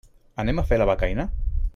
Anem a fer la becaina?